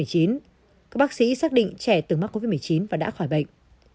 các bác sĩ xác định trẻ từng mắc covid một mươi chín và đã khỏi bệnh